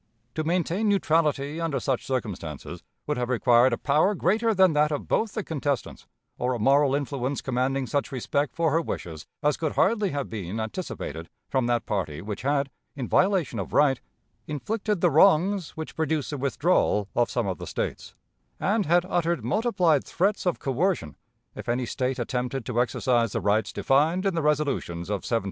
To maintain neutrality under such circumstances would have required a power greater than that of both the contestants, or a moral influence commanding such respect for her wishes as could hardly have been anticipated from that party which had, in violation of right, inflicted the wrongs which produced the withdrawal of some of the States, and had uttered multiplied threats of coercion if any State attempted to exercise the rights defined in the resolutions of 1798 '99.